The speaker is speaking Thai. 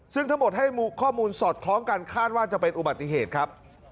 ซึ่งทั้งหมดให้ข้อมูลสอดคล้องกันคาดว่าจะเป็นอุบัติเหตุครับ